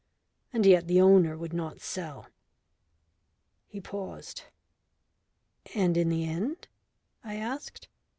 And yet the owner would not sell." He paused. "And in the end?" I asked.